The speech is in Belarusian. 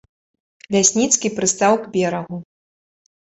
Лясніцкі прыстаў к берагу.